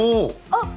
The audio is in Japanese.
あっ！